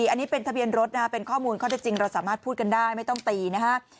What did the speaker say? อันนี้เป็นทะเบียนรถนะฮะเป็นข้อมูลข้อเท็จจริงเราสามารถพูดกันได้ไม่ต้องตีนะฮะ